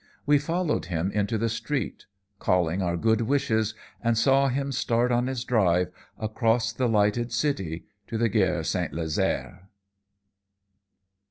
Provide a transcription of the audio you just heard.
We followed him into the street, calling our good wishes, and saw him start on his drive across the lighted city to the Gare St. Lazare.